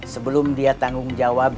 sebelum dia tanggung jawab